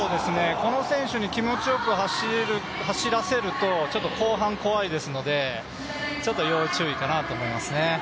この選手に気持ちよく走らせると後半怖いですのでちょっと要注意かなと思いますね。